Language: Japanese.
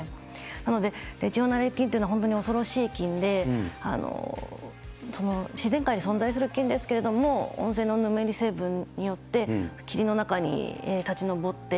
なので、レジオネラ菌っていうのは本当に恐ろしい菌で、自然界に存在する菌ですけれども、温泉のぬめり成分によって霧の中に立ち上って。